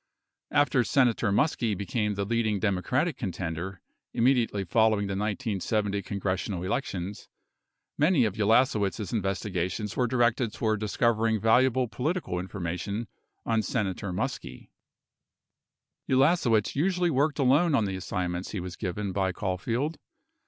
11 After Senator Muskie became the leading Democratic contender, immediately following the 1970 congressional elections, many of Ulasewicz' investigations were directed toward discovering valuable political information on Senator Muskie. 12 Ulasewicz usually worked alone on the assignments he was given by Caulfield.